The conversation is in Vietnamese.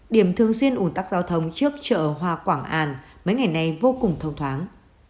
điểm thường xuyên ủn tắc giao thông trước chợ hoa quảng an mấy ngày nay vô cùng thông thoáng